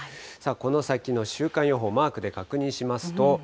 この先の週間予報、マークで確認しますと。